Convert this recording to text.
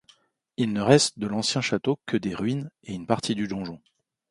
Il ne reste de l'ancien château que des ruines et une partie du donjon.